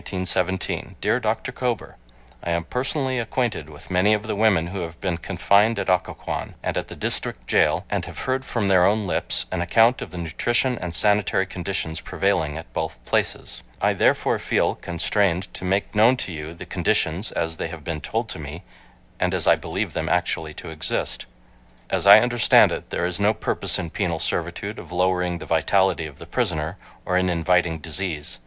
Dear Dr. Kober: I am personally acquainted with many of the women who have been confined at Occoquan, and at the District jail, and have heard from their own lips an account of the nutrition and sanitary conditions prevailing at both places. I, therefore, feel constrained to make known to you the conditions, as they have been told to me, and as I believe them actually to exist. As I understand it, there is no purpose in penal servitude of lowering the vitality of the prisoner, or in inviting disease.